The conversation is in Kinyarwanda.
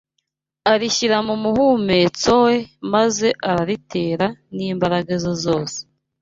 arishyira mu muhumetso we maze araritera n’imbaraga ze zose